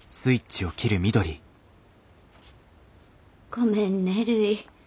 ごめんねるい。